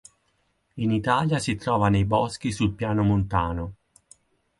In Italia si trova nei boschi sul Piano montano.